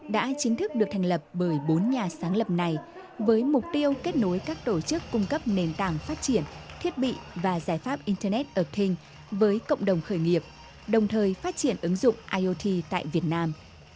đã chính thức được thành lập bởi bốn nhà sáng lập này với mục tiêu kết nối các tổ chức cung cấp nền tảng phát triển thiết bị và giải pháp internet of thing với cộng đồng khởi nghiệp đồng thời phát triển ứng dụng iot tại việt nam